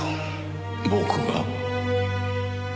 僕が？